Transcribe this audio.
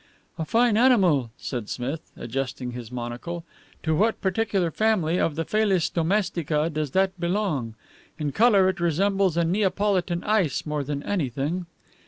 "A fine animal," said Smith, adjusting his monocle. "To what particular family of the Felis Domestica does that belong? In color it resembles a Neapolitan ice more than anything."